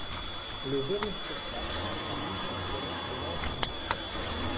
Le verubecestat est un inhibiteur de l'enzyme.